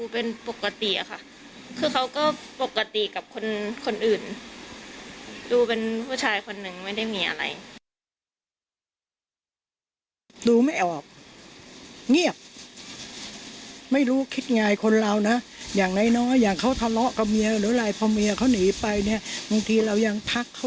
บอกอืมไม่อยากอยู่แล้วอย่างเนี้ยอ่ะพี่ก็